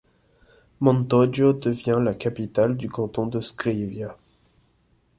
Montoggio devient la capitale du canton de Scrivia.